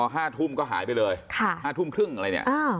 ห้าทุ่มก็หายไปเลยค่ะห้าทุ่มครึ่งอะไรเนี่ย